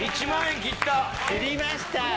切りました。